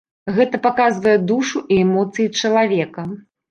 Гэта паказвае душу і эмоцыі чалавека.